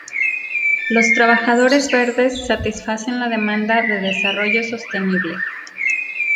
Los trabajadores verdes satisfacen la demanda de desarrollo sostenible.